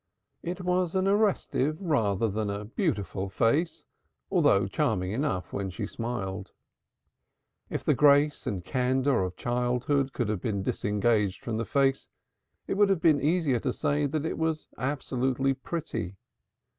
It was an arrestive rather than a beautiful face, though charming enough when she smiled. If the grace and candor of childhood could have been disengaged from the face, it would have been easier to say whether it was absolutely pretty.